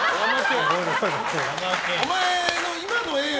お前の今のえー！